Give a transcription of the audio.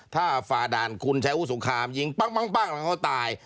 ถ้าฝ่าด่านคุณใช้วุฒิสงครามยิงปั้งแล้วเขาตาย